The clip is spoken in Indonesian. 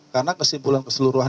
karena kesimpulan keseluruhan